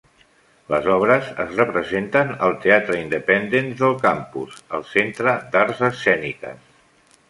Les obres es representen al teatre Independence del campus, el Centre d'Arts Escèniques.